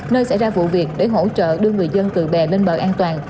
nơi xảy ra vụ việc để hỗ trợ đưa người dân từ bè lên bờ an toàn